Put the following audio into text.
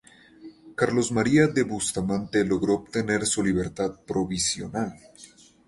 Carlos María de Bustamante logró obtener su libertad provisional.